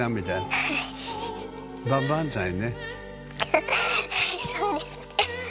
はいそうですね。